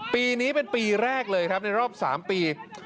ปีนี้เป็นปีแรกเลยครับในรอบ๓ปี